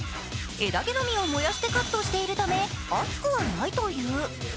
枝毛のみを燃やしてカットしているため熱くはないという。